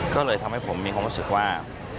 ก็เลยทำให้ผมมีความรู้สึกว่า